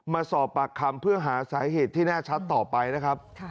มาสอบปากคำเพื่อหาสาเหตุที่แน่ชัดต่อไปนะครับ